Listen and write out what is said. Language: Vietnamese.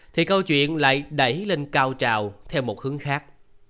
thì câu chuyện lại đẩy lên cao trào theo một hướng khác